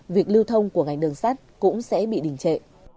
việc lưu thông của ngành đường sắt cũng sẽ bị đình trệ